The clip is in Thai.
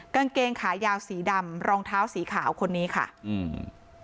กางเกงขายาวสีดำรองเท้าสีขาวคนนี้ค่ะอืม